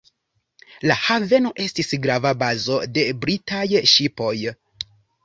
La haveno estis grava bazo de britaj ŝipoj.